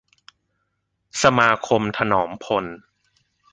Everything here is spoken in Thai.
สมาคมถนอมพล